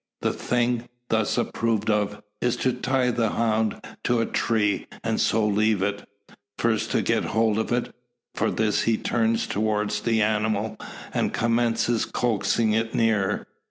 The "thing" thus approved of, is to tie the hound to a tree, and so leave it. First to get hold of it. For this he turns towards the animal, and commences coaxing it nearer.